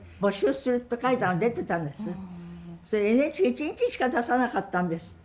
それＮＨＫ一日しか出さなかったんですって。